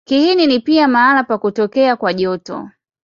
Kiini ni pia mahali pa kutokea kwa joto.